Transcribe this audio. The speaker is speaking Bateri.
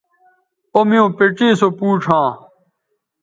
او میوں پڇے سو پوڇ ھواں